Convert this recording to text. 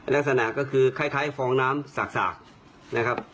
ลักษณะก็คือคล้ายฟองน้ำสากนะครับ